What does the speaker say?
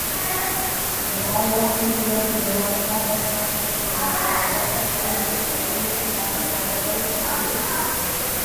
მდებარეობს რიო-დე-ლა-პლატას სამხრეთ სანაპიროზე, სამხრეთ ამერიკის კონტინენტის სამხრეთ-აღმოსავლეთ სანაპიროზე.